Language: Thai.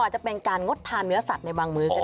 จะเป็นการงดทานเนื้อสัตว์ในบางมื้อก็ได้